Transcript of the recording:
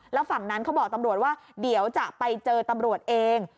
แล้วฝั่งนั้นเขาบอกตำรวจว่าเดี๋ยวจะไปเจอตำรวจเอง